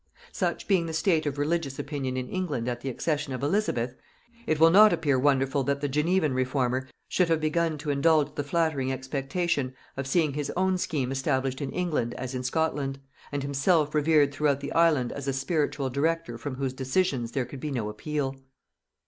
Such being the state of religious opinion in England at the accession of Elizabeth, it will not appear wonderful that the Genevan reformer should have begun to indulge the flattering expectation of seeing his own scheme established in England as in Scotland, and himself revered throughout the island as a spiritual director from whose decisions there could be no appeal.